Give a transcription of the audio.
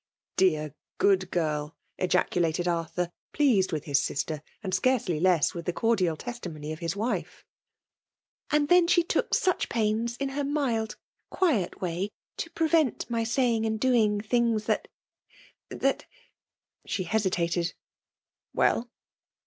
" Dear, good girl !'* ejaculated Arthur, pleased with his sister, and scarcely less with the cordial testimony of his wife. ''And then she took such pains, in her mild, quiet way, to prevent my saying and doing things that — that " she hesitated. ''Well?"